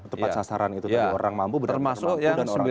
tepat sasaran itu orang mampu berarti tidak mampu